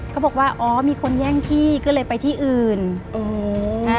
เขาบอกว่าอ๋อมีคนแย่งที่ก็เลยไปที่อื่นเออ